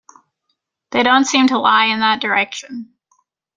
They don't seem to lie in that direction.